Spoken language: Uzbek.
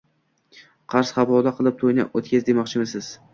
Qarz havola qilib toʻyni oʻtkaz, demoqchimisiz